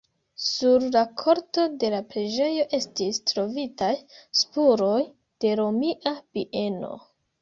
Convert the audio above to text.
Sur la korto de la preĝejo estis trovitaj spuroj de romia bieno.